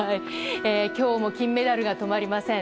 今日も金メダルが止まりません。